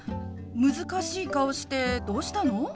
難しい顔してどうしたの？